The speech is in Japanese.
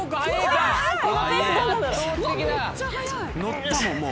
のったもんもう。